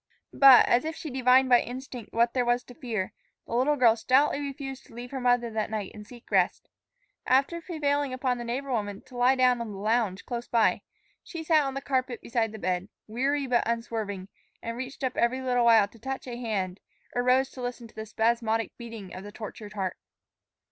But, as if she divined by instinct what there was to fear, the little girl stoutly refused to leave her mother that night and seek rest. After prevailing upon the neighbor woman to lie down on the lounge close by, she sat on the carpet beside the bed, weary but unswerving, and reached up every little while to touch a hand, or rose to listen to the spasmodic beating of the tortured heart.